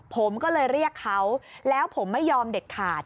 ผมก็เลยเรียกเขาแล้วผมไม่ยอมเด็ดขาด